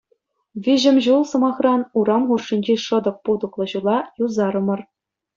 Виҫӗм ҫул, сӑмахран, урам хушшинчи шӑтӑк-путӑклӑ ҫула юсарӑмӑр.